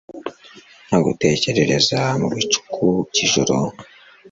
nkagutekereza mu bicuku by ijoro